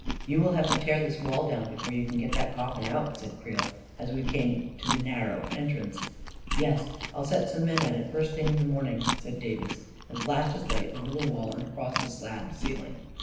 " You will have to tear this wall down before you can get that coffin out," said Creel, as we came to the narrow entrance. 44 Yes; I'll set some men at it first thing in the morning," and Davis flashed his light over the wall and across the slabbed ceiling.